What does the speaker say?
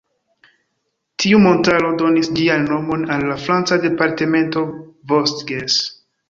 Tiu montaro donis ĝian nomon al la franca departemento Vosges.